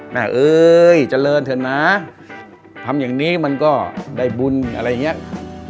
เอ้ยเจริญเถอะนะทำอย่างนี้มันก็ได้บุญอะไรอย่างนี้